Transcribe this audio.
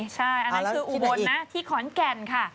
ใช่อันนั้นคืออุบลนะที่ขอนแก่นค่ะ